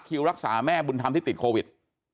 รักษาแม่บุญธรรมที่ติดโควิด